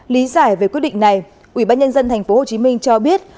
lý giải về quyết định này ủy ban nhân dân tp hcm cho biết